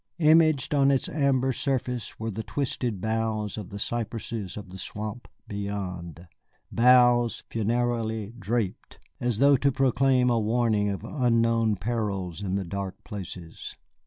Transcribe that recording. Imaged on its amber surface were the twisted boughs of the cypresses of the swamp beyond, boughs funereally draped, as though to proclaim a warning of unknown perils in the dark places.